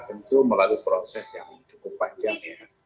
tentu melalui proses yang cukup panjang ya